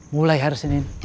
mulai hari senin